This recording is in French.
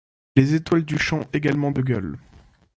Les étoiles du champ également de gueules.